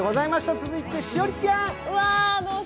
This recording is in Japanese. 続いて栞里ちゃん。